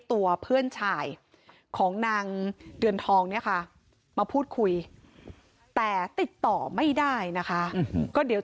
แม่เกิด๑๒ปีมันเก็บแล้ว